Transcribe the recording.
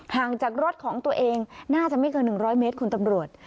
ห่างจากรถของตัวเองน่าจะไม่เกิน๑๐๐เมตรคุณตำรวจ